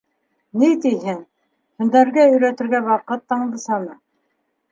Ни тиһен? һәнәргә өйрәтергә ваҡыт Таңдысаны.